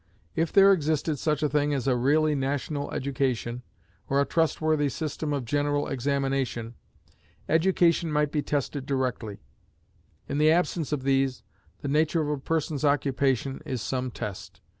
If there existed such a thing as a really national education or a trustworthy system of general examination, education might be tested directly. In the absence of these, the nature of a person's occupation is some test.